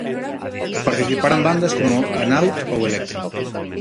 Participarán bandas como Anaut ou Electra.